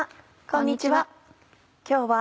こんにちは。